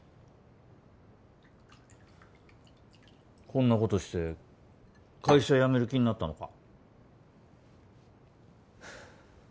こんなことして会社辞める気になったのか？